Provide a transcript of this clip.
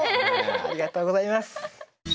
ありがとうございます。